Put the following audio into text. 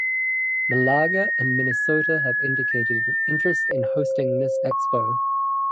Malaga and Minnesota have indicated an interest in hosting this expo.